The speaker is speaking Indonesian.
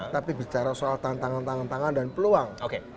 tapi bicara soal tantangan tantangan dan peluang